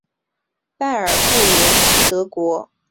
拜埃尔布伦是德国巴伐利亚州的一个市镇。